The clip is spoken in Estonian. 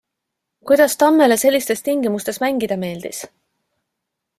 Kuidas Tammele sellistes tingimustes mängida meeldis?